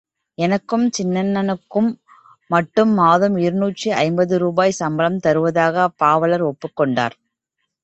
எனக்கும் சின்னண்ணாவுக்கும் மட்டும் மாதம் இருநூற்றி ஐம்பது ரூபாய் சம்பளம் தருவதாகப் பாவலர் ஒப்புக் கொண்டார்.